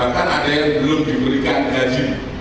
saya belum diberikan gaji